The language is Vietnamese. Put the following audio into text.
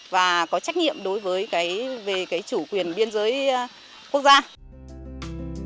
và có trách nhiệm đối với chủ quyền biên giới quốc gia